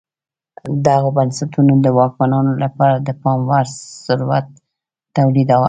دغو بنسټونو د واکمنانو لپاره د پام وړ ثروت تولیداوه